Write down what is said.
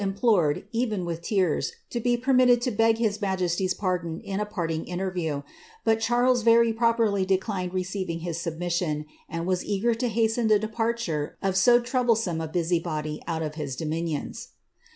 fill nplored, even with tears, to be permitted to beg his majesty's ill a parting interview ; but Charles very properly declined re hit submission, and was eager to hasten the departure of so ome a busybody out of his dominions.'